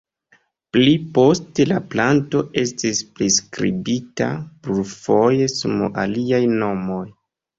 Pli poste la planto estis priskribita plurfoje sum aliaj nomoj.